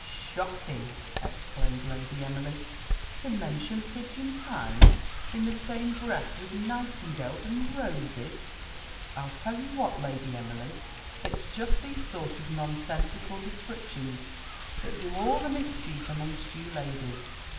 "Shocking!" exclaimed Lady Emily; "to mention pigeon pies in the same breath with nightingales and roses!" "I'll tell you what, Lady Emily, it's just these sort of nonsensical descriptions that do all the mischief amongst you young ladies.